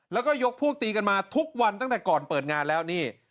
แล้วก็ยกพวกตีกันมาทุกวันตั้งแต่ก่อนเปิดงานแล้วนี่